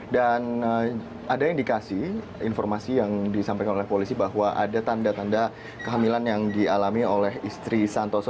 dan ada indikasi informasi yang disampaikan oleh polisi bahwa ada tanda tanda kehamilan yang dialami oleh istri santoso